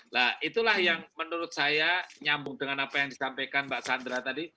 nah itulah yang menurut saya nyambung dengan apa yang disampaikan mbak sandra tadi